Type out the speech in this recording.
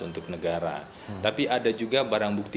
untuk negara tapi ada juga barang bukti